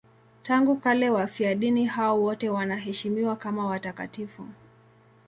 Tangu kale wafiadini hao wote wanaheshimiwa kama watakatifu.